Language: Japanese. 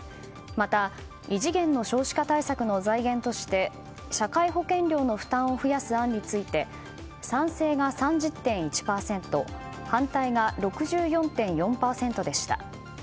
また異次元の少子化対策の財源として社会保険料の負担を増やす案について賛成が３０．１％反対が６４．４％でした。